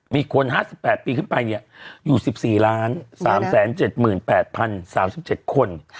มีคน๕๘ปีขึ้นไปอยู่๑๔๓๗๘๐๓๗คน